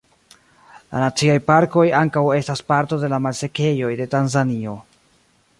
La naciaj parkoj ankaŭ estas parto de la malsekejoj de Tanzanio.